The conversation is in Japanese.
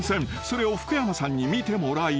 ［それを福山さんに見てもらい］